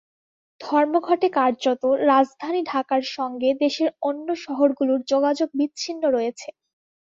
ধর্মঘটে কার্যত রাজধানী ঢাকার সঙ্গে দেশের অন্য শহরগুলোর যোগাযোগ বিচ্ছিন্ন রয়েছে।